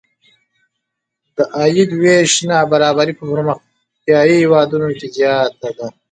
د عاید وېش نابرابري په پرمختیايي هېوادونو کې زیاته ده.